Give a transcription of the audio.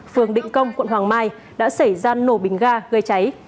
phường định công quận hoàng mai đã xảy ra nổ bình ga gây cháy